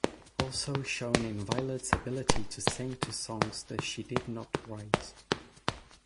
Also shown is Violet's ability to sing to songs that she did not write.